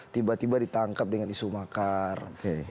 tiba tiba ditangkap dengan isu makar